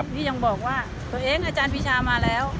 ที่ยังบอกว่าตัวเองอาจารย์ปีชามาแล้ว